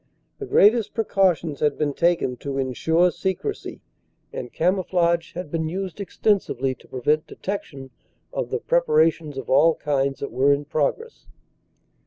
"The greatest precautions had been taken to ensure secrecy, and camouflage had been used extensively to prevent detection of the preparations of all kinds that were in progress.